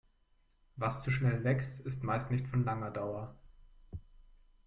Was zu schnell wächst, ist meist nicht von langer Dauer.